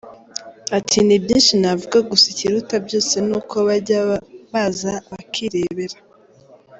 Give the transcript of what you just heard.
Ati “Ni byinshi navuga gusa ikiruta byose ni uko bajya baza bakirebera.